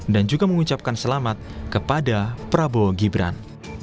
dan juga mengucapkan selamat kepada prabowo gibran